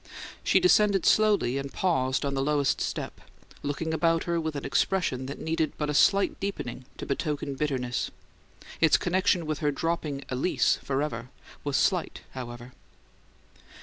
She descended slowly, and paused on the lowest step, looking about her with an expression that needed but a slight deepening to betoken bitterness. Its connection with her dropping "Alys" forever was slight, however.